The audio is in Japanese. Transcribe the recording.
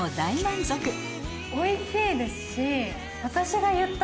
おいしいですし。